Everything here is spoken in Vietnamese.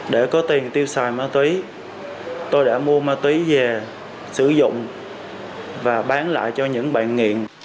để có tiền tiêu xài ma túy tôi đã mua ma túy về sử dụng và bán lại cho những bạn nghiện